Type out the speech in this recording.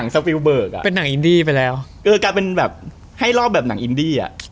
สวิวเบิกอ่ะเป็นหนังอินดี้ไปแล้วเออกลายเป็นแบบให้รอบแบบหนังอินดี้อ่ะ